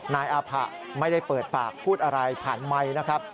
นายอาผะไม่ได้เปิดปากพูดอะไรผ่านไมค์นะครับ